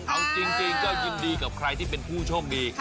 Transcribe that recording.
เอาจริงก็ยินดีกับใครที่เป็นผู้โชคดี